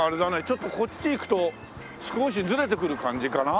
ちょっとこっち行くと少しずれてくる感じかな？